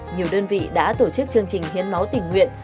nhiều đơn vị đã tổ chức chương trình hiến máu tình nguyện